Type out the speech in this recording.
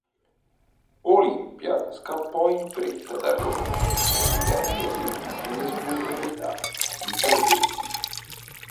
Olimpia scappò in fretta da Roma, chiudendosi nelle sue proprietà viterbesi.